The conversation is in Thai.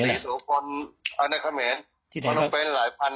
สี่ตัวคนอ้าวในเขมรพร้อมเป็นหลายพัน